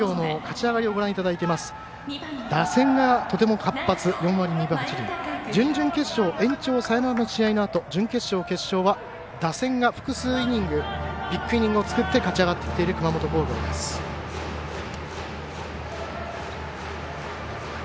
準々決勝、延長サヨナラのあと準決勝、決勝は打線が複数イニングビッグイニングを作って勝ち上がってきている熊本工業です。